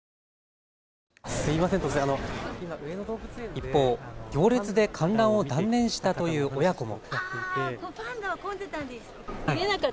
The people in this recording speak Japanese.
一方、行列で観覧を断念したという親子も。